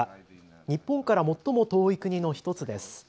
日本から最も遠い国の１つです。